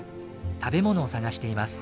食べ物を探しています。